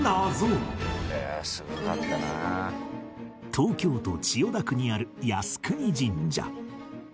東京都千代田区にある國神社